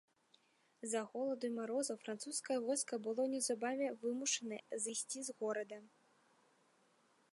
З-за голаду і маразоў французскае войска было неўзабаве вымушанае зысці з горада.